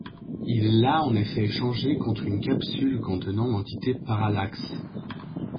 Il l'a en effet échangée contre une capsule contenant l'entité Parallax.